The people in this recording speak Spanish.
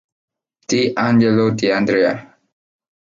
D. Angelo D'Andrea